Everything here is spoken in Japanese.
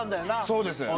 そうです。